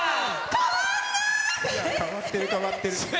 変わってる、変わってる。